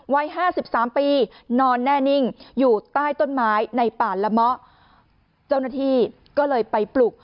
ไว้๕๓ปีนอนแน่นิ่งอยู่ใต้ต้นไม้ในป่านระมะเจ้าหน้าที่ก็เลยไปปลุก